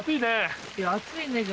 暑いねぇ。